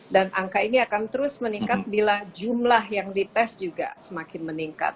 dan angka ini akan terus meningkat bila jumlah yang di test juga semakin meningkat